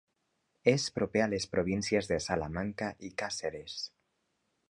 És proper a les províncies de Salamanca i Càceres.